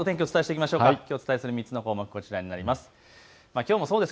きょうお伝えする３つの項目、こちらです。